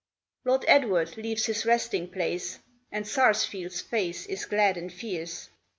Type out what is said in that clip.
Lord Edward leaves his resting place And Sarsfield's face is glad and fierce.